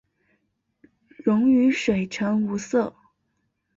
溶于水呈无色。